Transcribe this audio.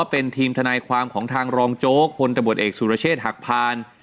เป็นทีมทนายความของทางรองโจ๊กพลตำรวจเอกสุรเชษฐ์หักพาน